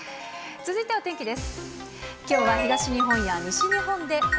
続いてはお天気です。